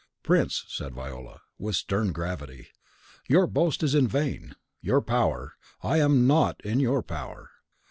"Prince," said Viola, with a stern gravity, "your boast is in vain. Your power! I am NOT in your power.